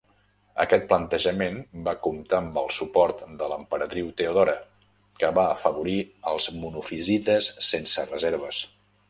Aquest plantejament va comptar amb el suport de l'emperadriu Theodora, que va afavorir els monofisites sense reserves.